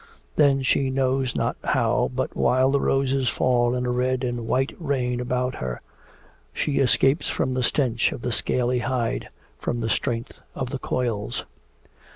Then she knows not how, but while the roses fall in a red and white rain about her she escapes from the stench of the scaly hide, from the strength of the coils.